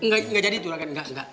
gak jadi juragan